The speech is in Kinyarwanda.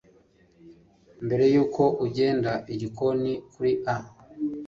Mbere yuko agenda igikoni kuri A